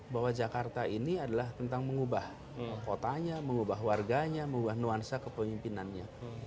bahwa jakarta ini adalah tentang mengubah kotanya mengubah warganya mengubah nuansa kepemimpinannya